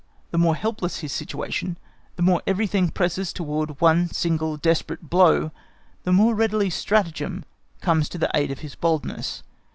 The more helpless his situation, the more everything presses towards one single, desperate blow, the more readily stratagem comes to the aid of his boldness.